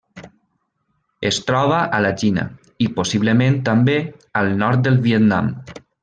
Es troba a la Xina i, possiblement també, al nord del Vietnam.